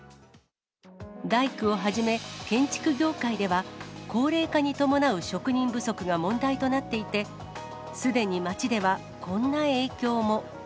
大工をはじめ、建築業界では、高齢化に伴う職人不足が問題となっていて、すでに街ではこんな影響も。